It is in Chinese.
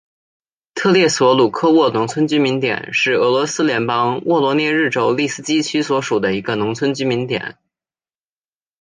特列索鲁科沃农村居民点是俄罗斯联邦沃罗涅日州利斯基区所属的一个农村居民点。